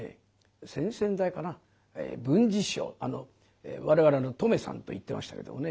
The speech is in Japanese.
先々代かな文治師匠我々留さんと言ってましたけどもね。